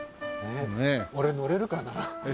俺乗れるかな？